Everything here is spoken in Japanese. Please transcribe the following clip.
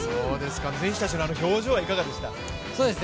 選手たちのあの表情はいかがでしたか？